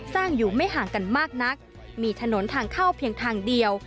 สร้างอยู่ไม่ห่างกันมากนักมีถนนทางเข้าเพียงทางเดียว